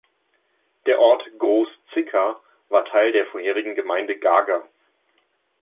Der Ort "Groß Zicker" war Teil der vorherigen Gemeinde Gager.